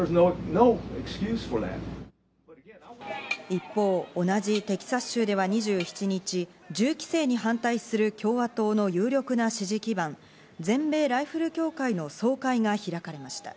一方、同じテキサス州では２７日、銃規制に反対する共和党の有力な支持基盤、全米ライフル協会の総会が開かれました。